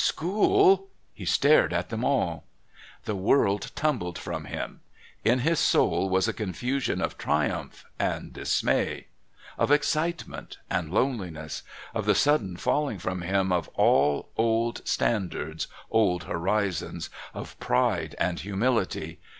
"School!" he stared at them all. The world tumbled from him. In his soul was a confusion of triumph and dismay, of excitement and loneliness, of the sudden falling from him of all old standards, old horizons, of pride and humility...